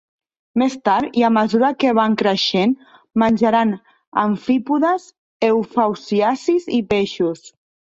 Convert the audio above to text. Més tard, i a mesura que van creixent, menjaran amfípodes, eufausiacis i peixos.